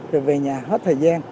rồi về nhà hết thời gian